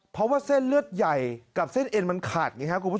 เพราะเซ่นเลือดใหญ่กับเซ่นเอ็นมันขาด